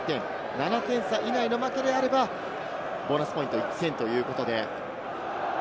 ７点差以内の負けであればボーナスポイント１点ということで。